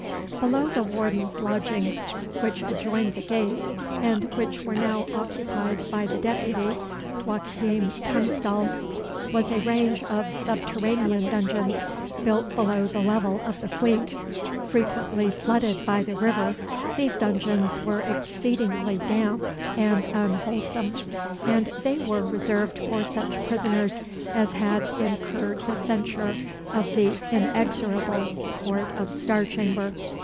Below the warden's lodgings, which adjoined the gate, and which were now occupied by the deputy, Joachim Tunstall, was a range of subterranean dungeons, built below the level of the Fleet. Frequently flooded by the river, these dungeons were exceedingly damp and unwholesome; and they were reserved for such prisoners as had incurred the censure of the inexorable Court of Star Chamber.